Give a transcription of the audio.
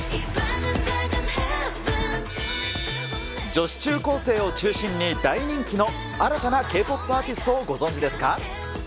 女子中高生を中心に大人気の新たなＫ−ＰＯＰアーティストをご存じですか？